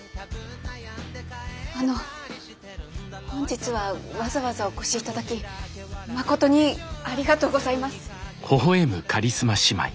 あの本日はわざわざお越し頂き誠にありがとうございます。